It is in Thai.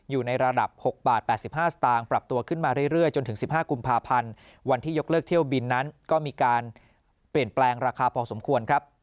อยู่ในระดับ๖บาท๘๕สตางค์ปรับตัวขึ้นมาเรื่อยจนถึง๑๕กุมภาพันธ์วันที่ยกเลิกเที่ยวบินนั้นก็มีการเปลี่ยนแปลงราคาพอสมควรครับ